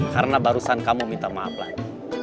karena barusan kamu minta maaf lagi